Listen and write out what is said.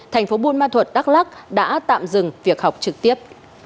thành phố buôn ma thuật đắk lắc đã tạm dừng việc học trực tiếp